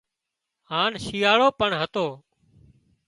هانَ شيئاۯو پڻ هتو